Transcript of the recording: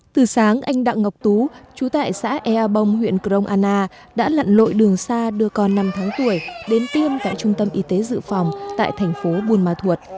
từ sáng anh đặng ngọc tú chú tại xã ea bông huyện crong anna đã lặn lội đường xa đưa con năm tháng tuổi đến tiêm tại trung tâm y tế dự phòng tại thành phố buôn ma thuột